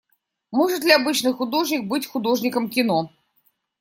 Может ли обычный художник быть художником кино?